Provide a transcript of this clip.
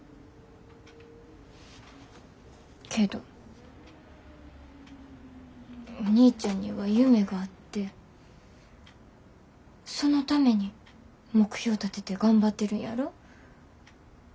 けどお兄ちゃんには夢があってそのために目標立てて頑張ってるんやろ？